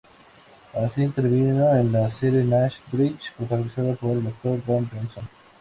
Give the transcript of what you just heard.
Así, intervino en la serie Nash Bridges protagonizada por el actor Don Johnson.